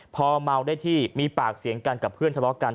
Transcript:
พอเมาได้ที่มีปากเสียงกันกับเพื่อนทะเลาะกัน